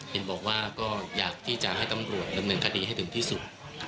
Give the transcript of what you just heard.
เห็นบอกว่าก็อยากที่จะให้ตำรวจดำเนินคดีให้ถึงที่สุด